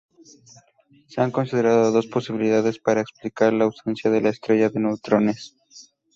Se han considerado dos posibilidades para explicar la ausencia de la estrella de neutrones.